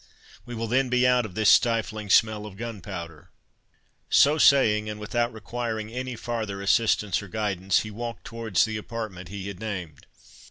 —We will then be out of this stifling smell of gunpowder." So saying, and without requiring any farther assistance or guidance, he walked towards the apartment he had named.